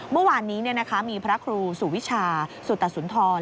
เมื่อวานนี้มีพระครูสุวิชาสุตสุนทร